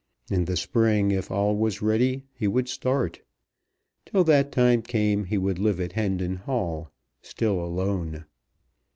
In the spring, if all was ready, he would start. Till that time came he would live at Hendon Hall, still alone.